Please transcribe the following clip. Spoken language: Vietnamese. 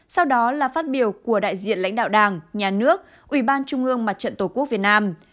sau đó là phát biểu của đại diện lãnh đạo đảng nhà nước ủy ban trung ương mặt trận tổ quốc việt nam